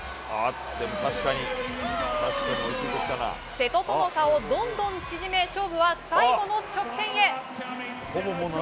瀬戸との差をどんどん縮め勝負は最後の直線へ。